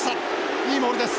いいモールです。